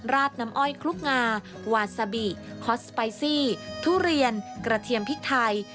ราดน้ำอ้อยคลุกงาวาซาบิคอสสไปซี่ทุเรียนกระเทียมพริกไทย